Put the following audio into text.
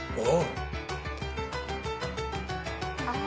ああ。